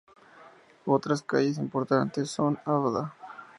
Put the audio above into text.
Otras calles importantes son avda.